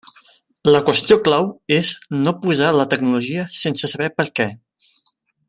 La qüestió clau és no posar la tecnologia sense saber per què.